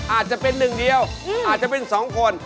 อาจจะเป็นหนึ่งเดียวอาจจะเป็น๒คน